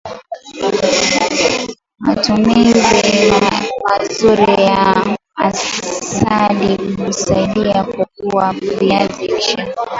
matumizi mazuri ya samadi husaidia kukuza viazi lishe